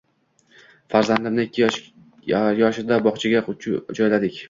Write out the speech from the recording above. Farzandimni ikki yoshida bog`chaga joyladik